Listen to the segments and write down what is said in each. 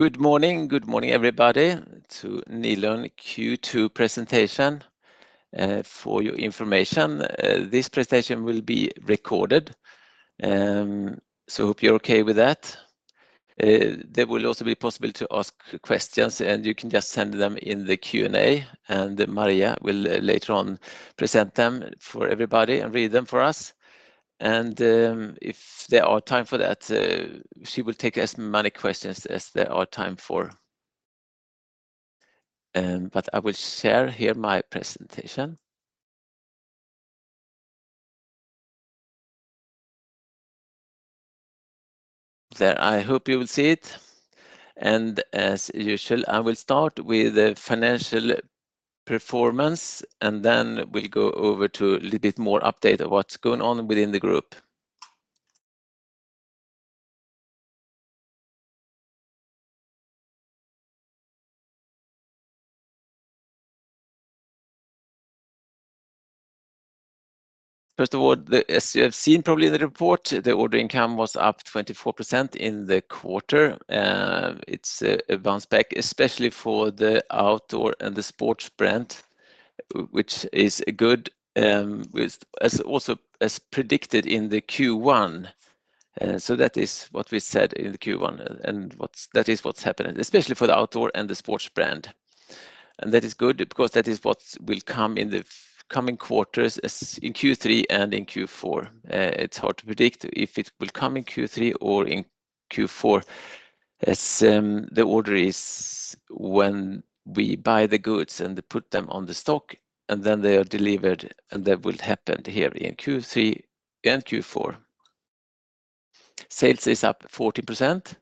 Good morning. Good morning, everybody, to Nilörn Q2 presentation. For your information, this presentation will be recorded, so hope you're okay with that. There will also be possible to ask questions, and you can just send them in the Q&A, and Maria will later on present them for everybody and read them for us. And, if there are time for that, she will take as many questions as there are time for. But I will share here my presentation. There, I hope you will see it. And as usual, I will start with the financial performance, and then we'll go over to a little bit more update of what's going on within the group. First of all, as you have seen, probably in the report, the order income was up 24% in the quarter. It's a bounce back, especially for the outdoor and the sports brand, which is good, with as also as predicted in the Q1. So that is what we said in the Q1, and that is what's happening, especially for the outdoor and the sports brand. And that is good because that is what will come in the coming quarters as in Q3 and in Q4. It's hard to predict if it will come in Q3 or in Q4, as the order is when we buy the goods and put them on the stock, and then they are delivered, and that will happen here in Q3 and Q4. Sales is up 40%,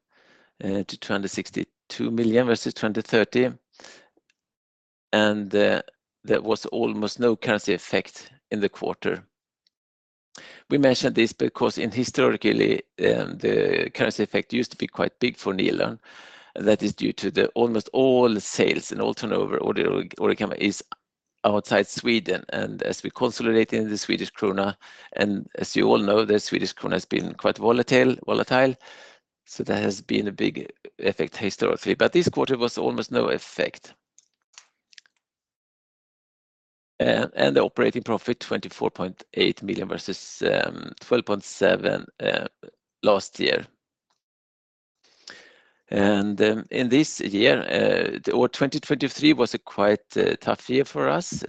to 262,000,000 versus 230,000,000, and there was almost no currency effect in the quarter. We mentioned this because historically, the currency effect used to be quite big for Nilörn, and that is due to almost all sales and all turnover, order or order income is outside Sweden, and as we consolidate in the Swedish krona, and as you all know, the Swedish krona has been quite volatile. So there has been a big effect historically, but this quarter was almost no effect. And the operating profit, 24,800,000 versus 12,700,000 last year. And in this year, or 2023 was a quite tough year for us,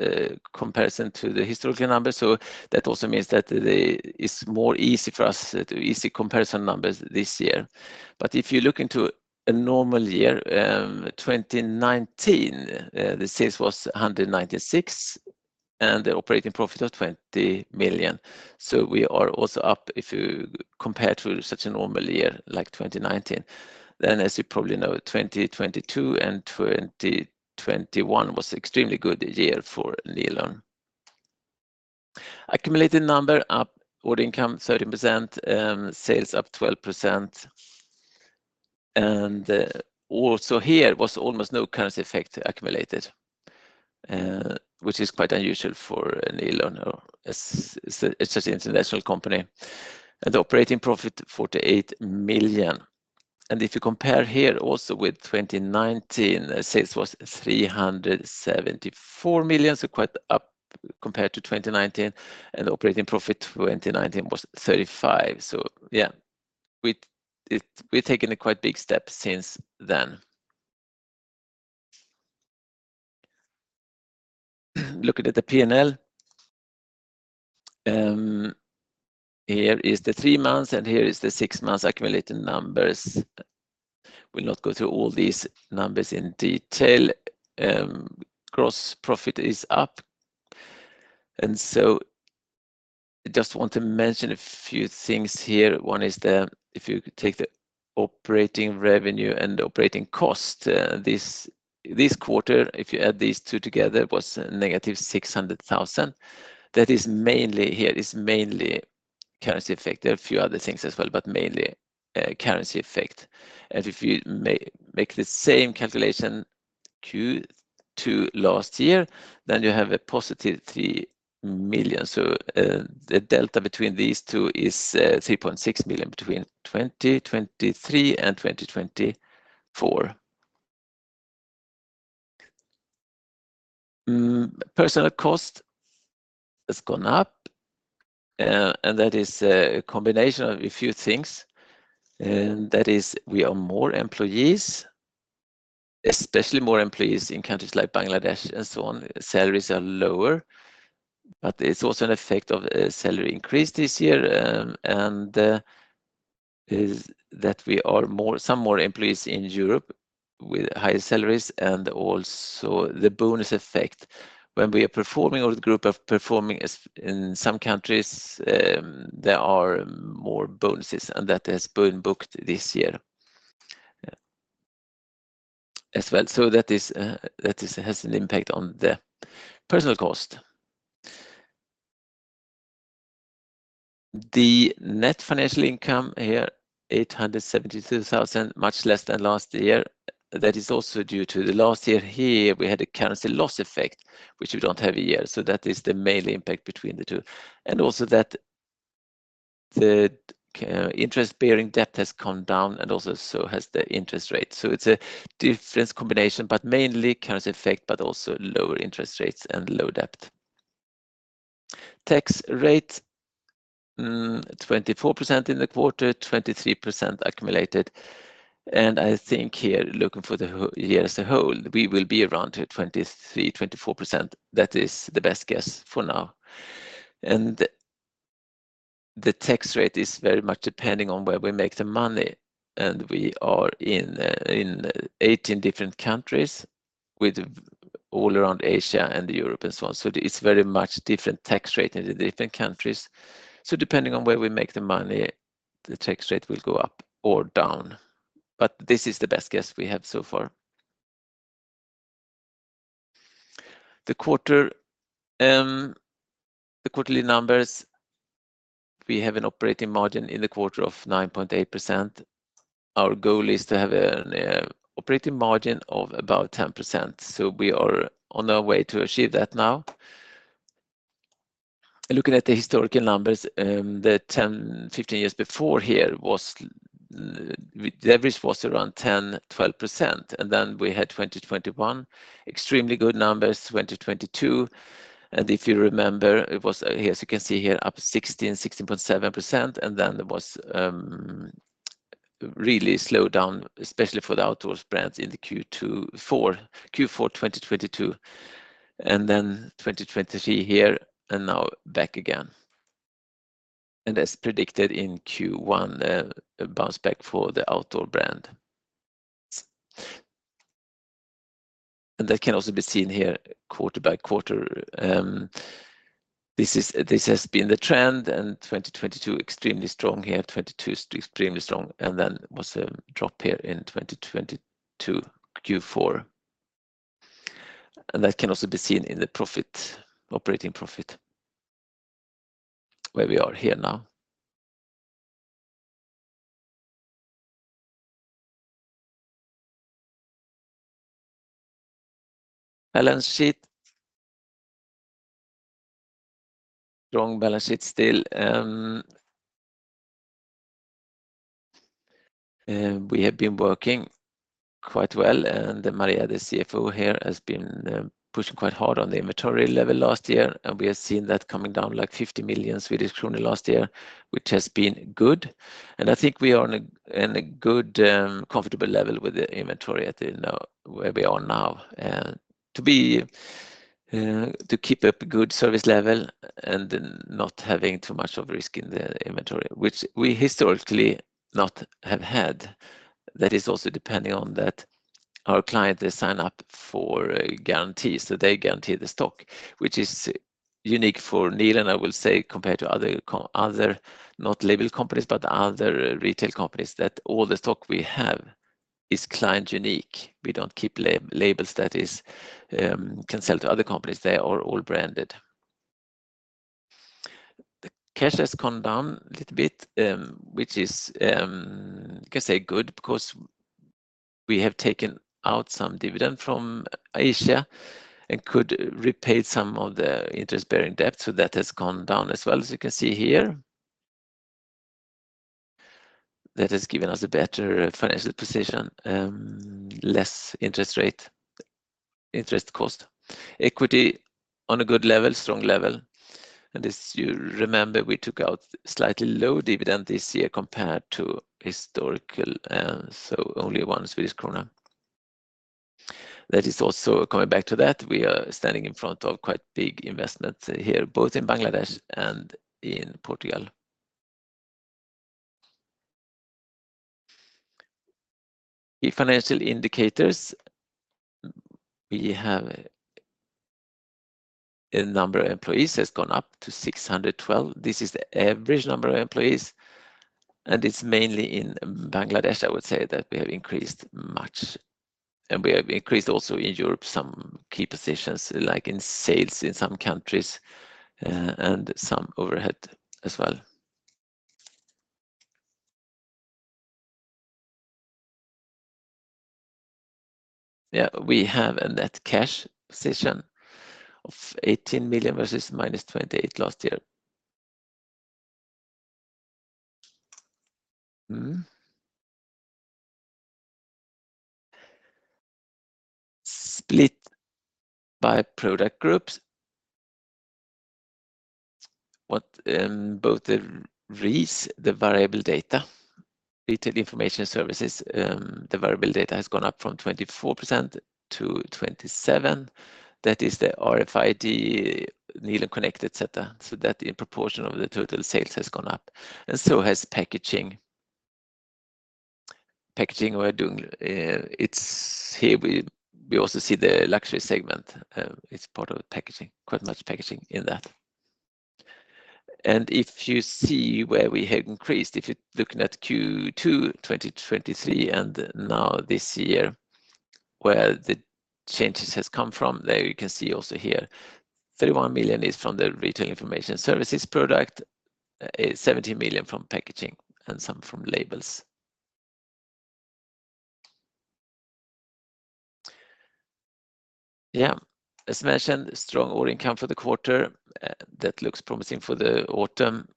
comparison to the historical numbers. So that also means that it's more easy for us to easy comparison numbers this year. But if you look into a normal year, 2019, the sales was 196, and the operating profit of 20,000,000. So we are also up if you compare to such a normal year, like 2019. Then, as you probably know, 2022 and 2021 was extremely good year for Nilörn. Accumulated number up, order income 13%, sales up 12%, and also here was almost no currency effect accumulated, which is quite unusual for Nilörn or as such an international company, and operating profit 48,000,000. And if you compare here also with 2019, sales was 374,000,000, so quite up compared to 2019, and operating profit 2019 was 35. So yeah, we've taken a quite big step since then. Looking at the P&L, here is the three months, and here is the six months accumulated numbers. We'll not go through all these numbers in detail. Gross profit is up, and so just want to mention a few things here. One is the, if you take the operating revenue and operating cost, this quarter, if you add these two together, was -600,000. That is mainly currency effect. There are a few other things as well, but mainly a currency effect. And if you make the same calculation Q2 last year, then you have a positive 3,000,000. So, the delta between these two is, 3,600,000 between 2023 and 2024. Personnel cost has gone up, and that is a combination of a few things, and that is we have more employees, especially more employees in countries like Bangladesh and so on. Salaries are lower, but it's also an effect of a salary increase this year, and is that we have some more employees in Europe with higher salaries and also the bonus effect. When we are performing or the group is performing as in some countries, there are more bonuses, and that has been booked this year, as well. So that is has an impact on the personnel cost. The net financial income here, 872,000, much less than last year. That is also due to the last year here, we had a currency loss effect, which we don't have a year. So that is the main impact between the two. The interest bearing debt has come down and also so has the interest rate. So it's a different combination, but mainly currency effect, but also lower interest rates and low debt. Tax rate, 24% in the quarter, 23% accumulated. And I think here, looking for the whole year as a whole, we will be around 23%-24%. That is the best guess for now. And the tax rate is very much depending on where we make the money, and we are in 18 different countries with all around Asia and Europe and so on. So it's very much different tax rate in the different countries. So depending on where we make the money, the tax rate will go up or down. But this is the best guess we have so far. The quarter, the quarterly numbers, we have an operating margin in the quarter of 9.8%. Our goal is to have an operating margin of about 10%, so we are on our way to achieve that now. Looking at the historical numbers, the 10, 15 years before here was, the average was around 10%-12%, and then we had extremely good numbers, 2022. And if you remember, it was, as you can see here, up 16, 16.7%, and then there was really slowed down, especially for the outdoors brands in the Q4 2022, and then 2023 here, and now back again. And as predicted in Q1, a bounce back for the outdoor brand. And that can also be seen here quarter by quarter. This is, this has been the trend, and 2022, extremely strong here. 2022 is extremely strong, and then was a drop here in 2022, Q4. And that can also be seen in the profit, operating profit, where we are here now. Balance sheet. Strong balance sheet still, we have been working quite well, and Maria, the CFO here, has been pushing quite hard on the inventory level last year, and we have seen that coming down like 50,000,000 Swedish kronor last year, which has been good. And I think we are on a, in a good, comfortable level with the inventory at the, now, where we are now. And to be, to keep up good service level and not having too much of risk in the inventory, which we historically not have had. That is also depending on that our clients, they sign up for a guarantee, so they guarantee the stock, which is unique for Nilörn, I will say, compared to other, not label companies, but other retail companies, that all the stock we have is client unique. We don't keep labels that can sell to other companies. They are all branded. The cash has gone down a little bit, which is, you can say good, because we have taken out some dividend from Asia and could repay some of the interest-bearing debt, so that has gone down as well as you can see here. That has given us a better financial position, less interest rate, interest cost. Equity on a good level, strong level. As you remember, we took out slightly low dividend this year compared to historical, so only 1 Swedish krona. That is also coming back to that, we are standing in front of quite big investment here, both in Bangladesh and in Portugal. Key financial indicators, we have a number of employees has gone up to 612. This is the average number of employees, and it's mainly in Bangladesh, I would say that we have increased much. And we have increased also in Europe, some key positions, like in sales in some countries, and some overhead as well. Yeah, we have a net cash position of 18,000,000 versus -28,000,000 last year. Split by product groups. Both the RIS, the variable data, Retail Information Services, the variable data has gone up from 24% to 27%. That is the RFID, Nilörn:CONNECT, etc. So that in proportion of the total sales has gone up, and so has packaging. Packaging, we're doing, it's here we also see the luxury segment. It's part of the packaging, quite much packaging in that. And if you see where we have increased, if you're looking at Q2 2023 and now this year, where the changes has come from, there you can see also here, 31,000,000 is from the Retail Information Services product, 70,000,000 from packaging, and some from labels. Yeah, as mentioned, strong order income for the quarter, that looks promising for the autumn.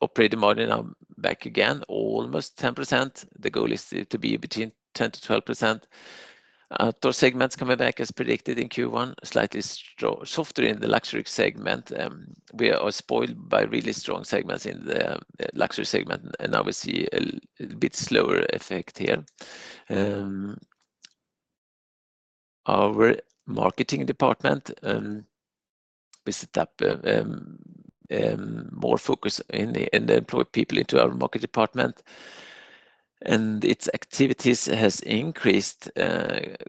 Operating margin are back again, almost 10%. The goal is to be between 10%-12%. Those segments coming back as predicted in Q1, slightly softer in the luxury segment. We are spoiled by really strong segments in the luxury segment, and now we see a bit slower effect here. Our marketing department, we set up more focus in the, and employ people into our market department, and its activities has increased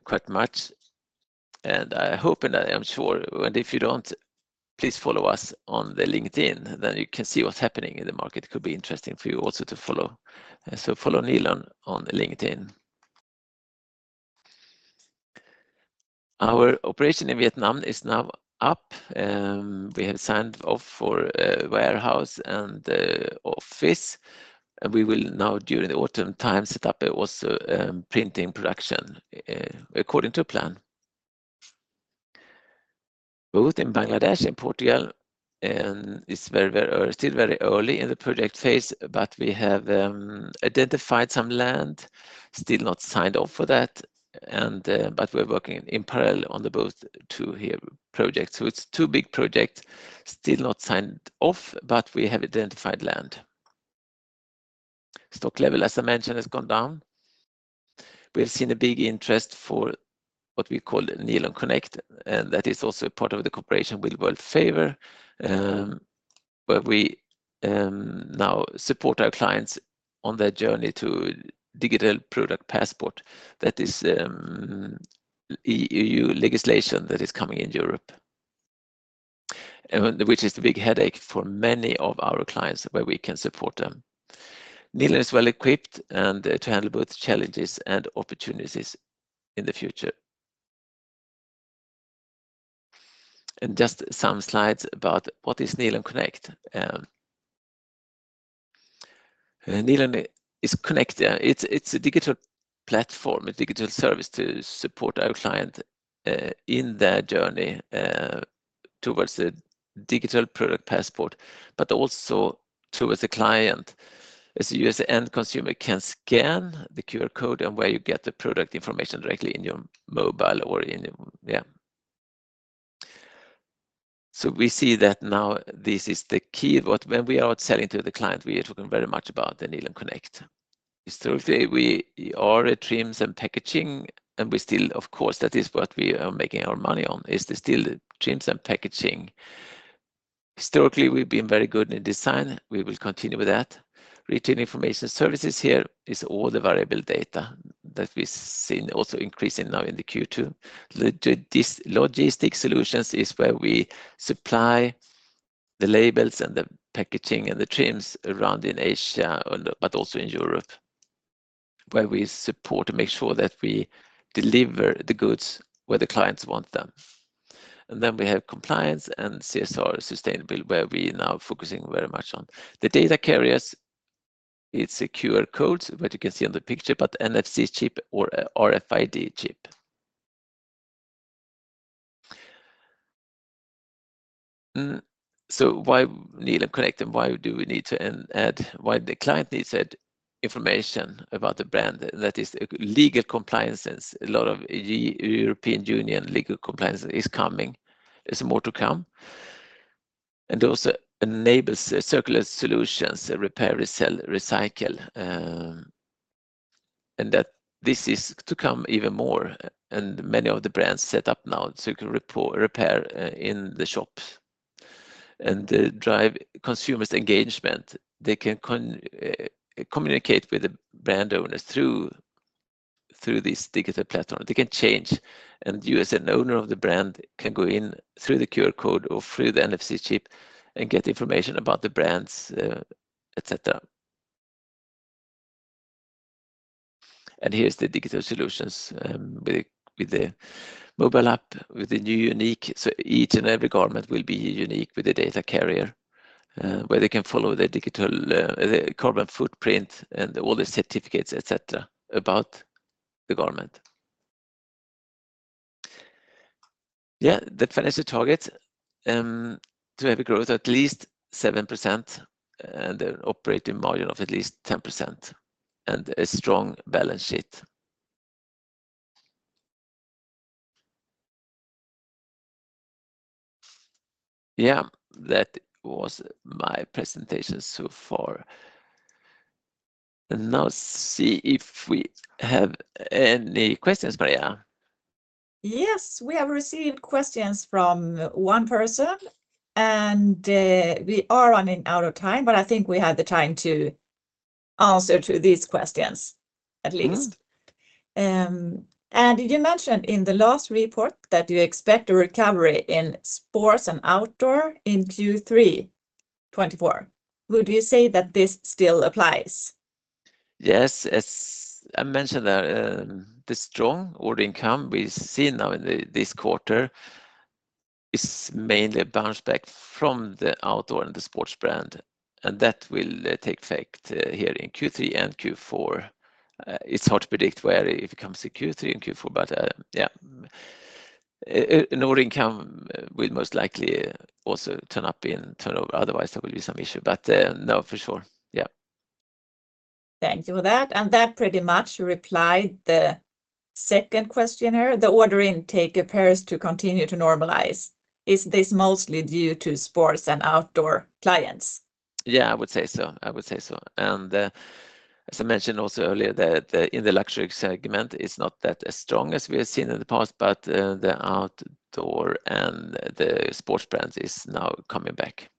quite much. And I hope, and I am sure, and if you don't, please follow us on LinkedIn, then you can see what's happening in the market. Could be interesting for you also to follow. So follow Nilörn on LinkedIn. Our operation in Vietnam is now up, we have signed off for a warehouse and an office, and we will now, during the autumn time, set up also printing production according to plan. Both in Bangladesh and Portugal, and it's very early in the project phase, but we have identified some land, still not signed off for that, and but we're working in parallel on the both two here projects. So it's two big projects, still not signed off, but we have identified land. Stock level, as I mentioned, has gone down. We've seen a big interest for what we call Nilörn:CONNECT, and that is also part of the cooperation with Worldfavor. Where we now support our clients on their journey to Digital Product Passport. That is EU legislation that is coming in Europe, and which is the big headache for many of our clients, where we can support them. Nilörn is well-equipped and to handle both challenges and opportunities in the future. And just some slides about what is Nilörn:CONNECT? Nilörn:CONNECT, it's a digital platform, a digital service to support our client in their journey towards the Digital Product Passport, but also towards the client. As a user, the end consumer can scan the QR code and where you get the product information directly in your mobile or in. So we see that now this is the key. When we are out selling to the client, we are talking very much about the Nilörn:CONNECT. Historically, we are a trims and packaging, and we still, of course, that is what we are making our money on, is the trims and packaging. Historically, we've been very good in design. We will continue with that. Retail Information Services here is all the Variable Data that we've seen also increasing now in the Q2. Logistical solutions is where we supply the labels and the packaging and the trims around in Asia, and but also in Europe, where we support to make sure that we deliver the goods where the clients want them. And then we have compliance and CSR sustainable, where we now focusing very much on. The data carriers, it's a QR codes, what you can see on the picture, but NFC chip or a RFID chip. So why Nilörn:CONNECT, and why do we need to add, and why the client needs that information about the brand? That is legal compliances. A lot of European Union legal compliance is coming. There's more to come. And also enables circular solutions, repair, resell, recycle, and that this is to come even more, and many of the brands set up now to repair in the shops. To drive consumer engagement, they can communicate with the brand owners through this digital platform. They can scan, and you as an owner of the brand, can go in through the QR code or through the NFC chip and get information about the brand, et cetera. Here's the digital solutions with the mobile app, with the new unique. So each and every garment will be unique with the data carrier, where they can follow the digital carbon footprint and all the certificates, et cetera, about the garment. Yeah, the financial target to have a growth at least 7%, and an operating margin of at least 10%, and a strong balance sheet. Yeah, that was my presentation so far. Now let's see if we have any questions, Maria. Yes, we have received questions from one person, and we are running out of time, but I think we have the time to answer to these questions, at least. Mm. You mentioned in the last report that you expect a recovery in sports and outdoor in Q3 2024. Would you say that this still applies? Yes, as I mentioned, the strong order income we see now in this quarter. It's mainly a bounce back from the outdoor and the sports brand, and that will take effect here in Q3 and Q4. It's hard to predict where if it comes to Q3 and Q4, but yeah, order income will most likely also turn up in turn, otherwise there will be some issue. But no, for sure. Yeah. Thank you for that. That pretty much replies to the second questioner. The order intake appears to continue to normalize. Is this mostly due to sports and outdoor clients? Yeah, I would say so. I would say so. And, as I mentioned also earlier, that, in the luxury segment, it's not that as strong as we have seen in the past, but, the outdoor and the sports brands is now coming back,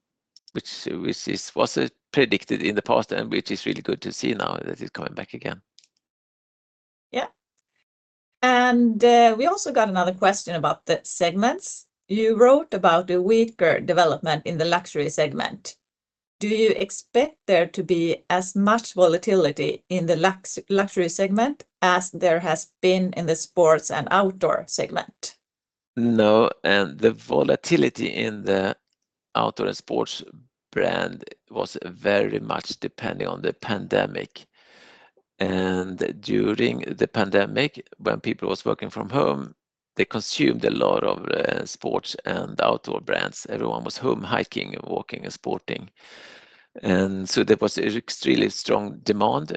which is, was predicted in the past and which is really good to see now that it's coming back again. Yeah. We also got another question about the segments. You wrote about a weaker development in the luxury segment. Do you expect there to be as much volatility in the luxury segment as there has been in the sports and outdoor segment? No, and the volatility in the outdoor and sports brand was very much depending on the pandemic. During the pandemic, when people was working from home, they consumed a lot of sports and outdoor brands. Everyone was home hiking and walking and sporting. So there was extremely strong demand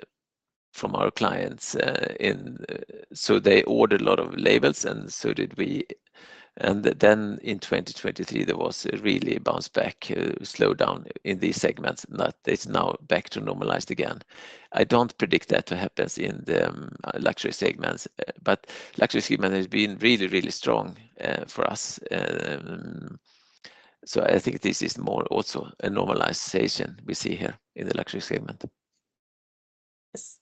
from our clients. So they ordered a lot of labels, and so did we. Then in 2023, there was a really bounce back slowdown in these segments, that is now back to normalized again. I don't predict that to happens in the luxury segments, but luxury segment has been really, really strong for us. So I think this is more also a normalization we see here in the luxury segment. Yes.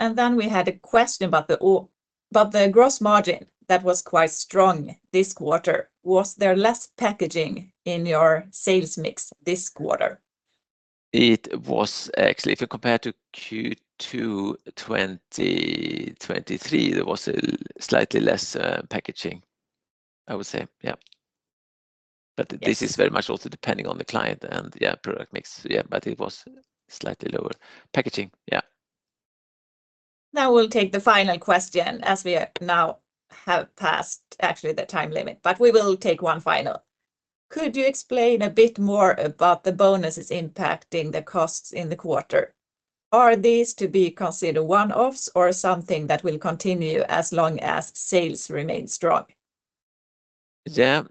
And then we had a question about the gross margin that was quite strong this quarter. Was there less packaging in your sales mix this quarter? It was actually, if you compare to Q2 2023, there was a slightly less, packaging, I would say. Yeah. Yes. But this is very much also depending on the client and, yeah, product mix. Yeah, but it was slightly lower. Packaging, yeah. Now we'll take the final question, as we now have passed actually the time limit, but we will take one final. Could you explain a bit more about the bonuses impacting the costs in the quarter? Are these to be considered one-offs or something that will continue as long as sales remain strong? Yeah,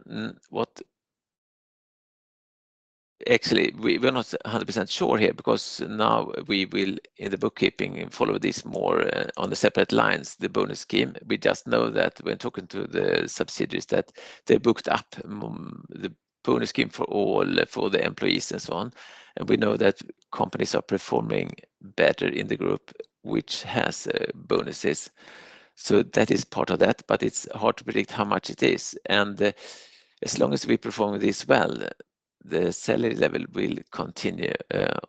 actually, we're not 100% sure here, because now we will, in the bookkeeping, follow this more, on the separate lines, the bonus scheme. We just know that when talking to the subsidiaries, that they booked up the bonus scheme for all, for the employees and so on. And we know that companies are performing better in the group, which has, bonuses. So that is part of that, but it's hard to predict how much it is. And, as long as we perform this well, the salary level will continue,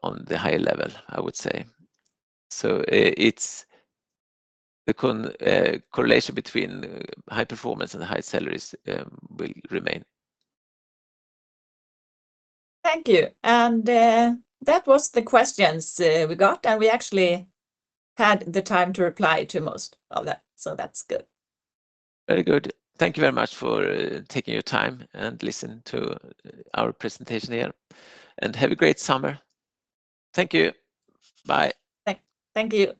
on the higher level, I would say. So, it's the correlation between high performance and high salaries, will remain. Thank you. And, that was the questions we got, and we actually had the time to reply to most of that, so that's good. Very good. Thank you very much for taking your time and listening to our presentation here. And have a great summer. Thank you. Bye. Thank you.